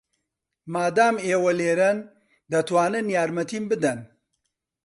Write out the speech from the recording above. مادام ئێوە لێرەن، دەتوانن یارمەتیم بدەن.